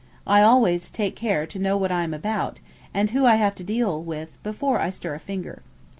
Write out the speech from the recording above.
I always take care to know what I am about, and who I have to deal with before I stir a finger.